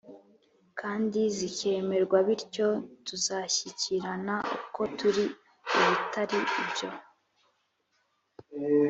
kandi zikemerwa bityo tuzashyikirana uko turi ibitari ibyo